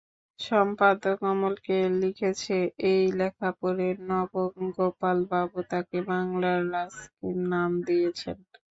সম্পাদক অমলকে লিখেছে, এই লেখা পড়ে নবগোপালবাবু তাকে বাংলার রাস্কিন নাম দিয়েছেন।